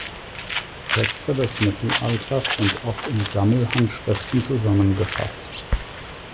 Texte des Mittelalters sind oft in Sammelhandschriften zusammengefasst.